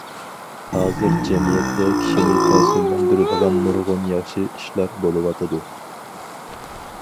ھازىر جەمئىيەتتە كىشىنى تەسىرلەندۈرىدىغان نۇرغۇن ياخشى ئىشلار بولۇۋاتىدۇ.